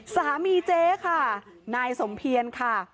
เจ๊ค่ะนายสมเพียรค่ะ